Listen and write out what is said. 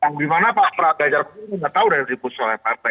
yang dimana pak gajar pembo enggak tahu dari ribu soal yang partai